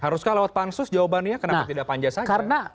haruskah lewat pansus jawabannya kenapa tidak panja saja